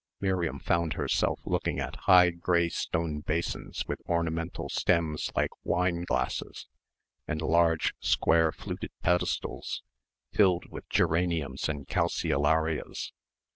Miriam found herself looking at high grey stone basins, with ornamental stems like wine glasses and large square fluted pedestals, filled with geraniums and calceolarias.